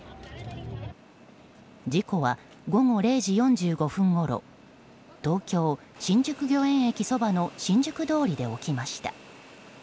事故は、午後０時４５分ごろ東京・新宿御苑駅そばの新宿通りで起きました。